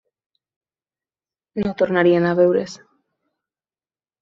No tornarien a veure's.